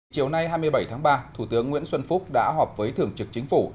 chiều nay hai mươi bảy tháng ba thủ tướng nguyễn xuân phúc đã họp với thường trực chính phủ